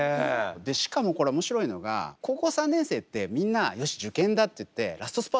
でしかもこれ面白いのが高校３年生ってみんなよし受験だって言ってラストスパートするじゃないですか。